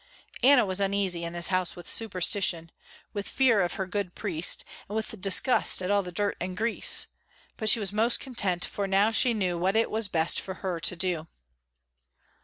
Anna was uneasy in this house with superstition, with fear of her good priest, and with disgust at all the dirt and grease, but she was most content for now she knew what it was best for her to do.